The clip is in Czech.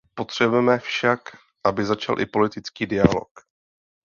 Potřebujeme však, aby začal i politický dialog.